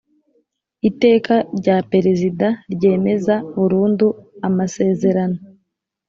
Iteka rya Perezida ryemeza burundu Amasezerano